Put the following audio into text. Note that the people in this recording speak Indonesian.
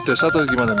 dari desa atau gimana